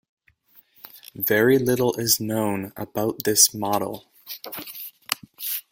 Very little is known about this model.